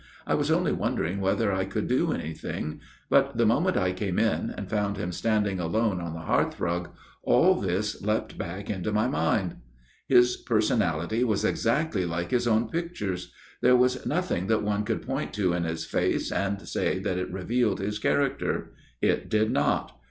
I was only wondering whether I could do anything, but the moment I came in, and found him standing alone on the hearthrug, all this leapt back into my mind. " His personality was exactly like his own pictures. There was nothing that one could point to in his face and say that it revealed his character. It did not.